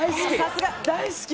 大好き！